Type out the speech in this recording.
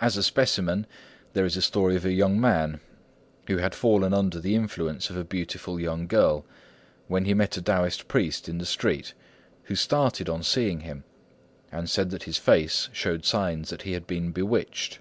As a specimen, there is a story of a young man who had fallen under the influence of a beautiful young girl, when he met a Taoist priest in the street, who started on seeing him, and said that his face showed signs that he had been bewitched.